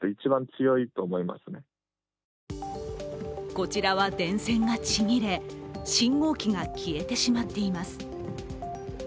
こちらは電線がちぎれ信号機が消えてしまっています。